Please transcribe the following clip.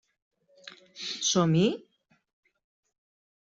Som-hi?